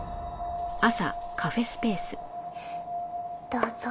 どうぞ。